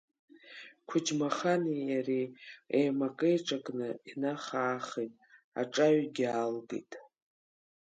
Қәыџьмахани иареи еимакеиҿакны инаха-аахеит, аҿаҩгьы аалгеит.